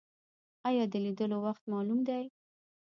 ایا د لیدلو وخت معلوم دی؟